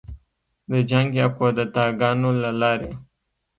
د جنګ یا کودتاه ګانو له لارې